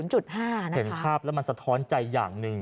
เห็นภาพแล้วมันสะท้อนใจอย่างหนึ่ง